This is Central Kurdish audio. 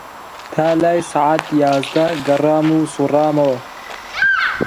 تا لای سەعات یازدە گەڕام و سووڕامەوە